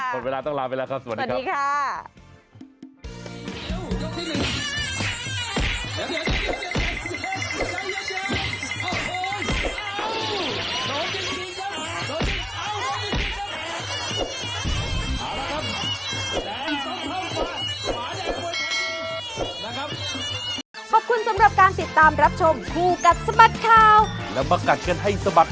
หมดเวลาต้องลาไปแล้วครับสวัสดีครับสวัสดีค่ะสวัสดีครับ